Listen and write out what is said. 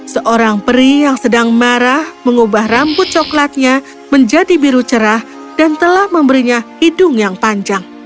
seorang peri yang sedang marah mengubah rambut coklatnya menjadi biru cerah dan telah memberinya hidung yang panjang